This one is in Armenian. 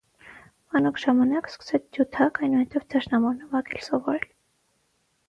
Մանուկ ժամանակ սկսեց ջութակ, այնուհետև դաշնամուր նվագել սովորել։